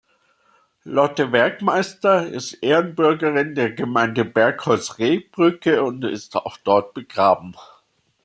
Lotte Werkmeister ist Ehrenbürgerin der Gemeinde Bergholz-Rehbrücke und ist auch dort begraben.